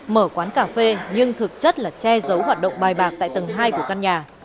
mở quán cà phê nhưng thực chất là che giấu hoạt động bài bạc tại tầng hai của căn nhà